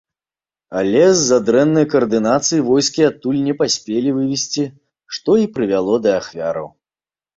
Але з-за дрэннай каардынацыі войскі адтуль не паспелі вывесці, што і прывяло да ахвяраў.